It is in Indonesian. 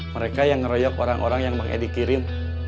mereka yang ngeroyok orang orang yang bang edi kirim